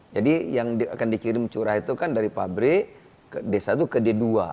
jadi yang akan dikirim curah itu kan dari pabrik ke desa itu ke d dua